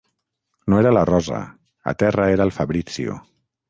No era la rosa... a terra era el Fabrizio.